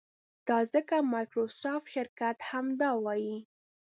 دا ځکه مایکروسافټ شرکت همدا وایي.